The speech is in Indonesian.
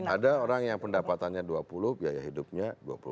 ada orang yang pendapatannya dua puluh biaya hidupnya dua puluh